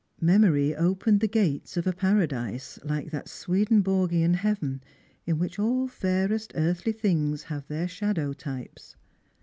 Memory opened the gates of a paradise, like that Swedenborgian heaven in which all fairest earthly things have their shadow types.